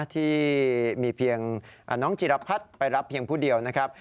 ที่มีเพียงน้องจิรพัฒน์ไปรับเพียงผู้เดียวนะครับ